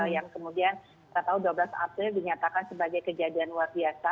yang kemudian kita tahu dua belas april dinyatakan sebagai kejadian luar biasa